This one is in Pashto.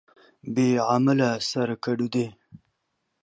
بې عمله سر کډو دى.